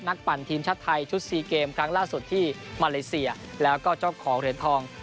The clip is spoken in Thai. ปั่นทีมชาติไทยชุด๔เกมครั้งล่าสุดที่มาเลเซียแล้วก็เจ้าของเหรียญทอง